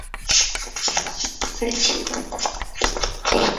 学院按照教育部所要求的对外汉语教学体系和教学标准授课。